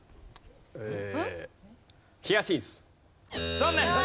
残念。